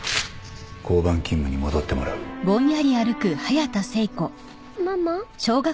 交番勤務に戻ってもらうママ？